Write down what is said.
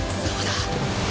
そうだ